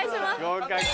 合格。